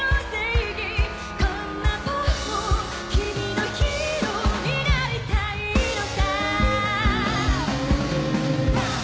「こんな僕も君のヒーローになりたいのさ」